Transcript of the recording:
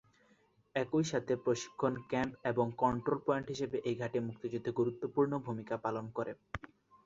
একই সাথে প্রশিক্ষণ ক্যাম্প এবং কন্ট্রোল পয়েন্ট হিসেবে এই ঘাঁটি মুক্তিযুদ্ধে গুরুত্বপূর্ণ ভূমিকা পালন করে।